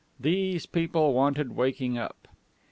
These people wanted waking up.